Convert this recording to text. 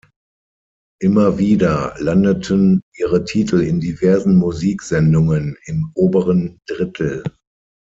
Immer wieder landeten ihre Titel in diversen Musiksendungen im oberen Drittel.